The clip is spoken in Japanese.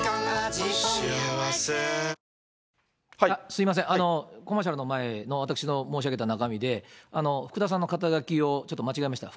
すみません、コマーシャルの前の、私の申し上げた中身で、福田さんの肩書をちょっと間違えました。